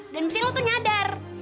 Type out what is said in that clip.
dan mesti lo tuh nyadar